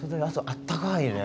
あったかいね。